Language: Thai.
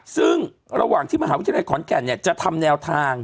ซึ่งระหว่างที่มหาวิทยาลัยขอนแก่นจะทำแนวทาง